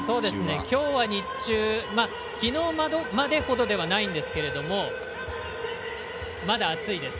今日は日中昨日までほどではないんですけれどもまだ暑いです。